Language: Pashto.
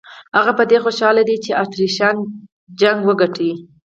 هغه په دې خوشاله دی چې اتریشیان جګړه وګټي.